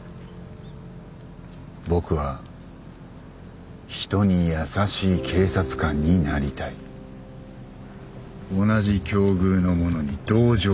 「僕は人に優しい警察官になりたい」同じ境遇の者に同情する。